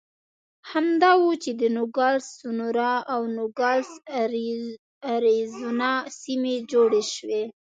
همدا و چې د نوګالس سونورا او نوګالس اریزونا سیمې جوړې شوې.